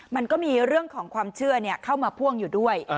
มันก็มีเรื่องของความเชื่อเข้ามาพ่วงอยู่ด้วย